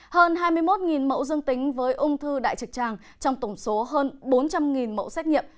hơn hai mươi một mẫu dương tính với ung thư đại trực tràng trong tổng số hơn bốn trăm linh mẫu xét nghiệm